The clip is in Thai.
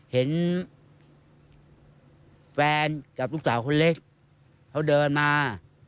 เห็นแฟนกับลูกสาวคนเล็กเขาเดินมา